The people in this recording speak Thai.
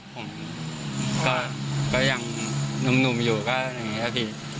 ผมไม่กลัวครับ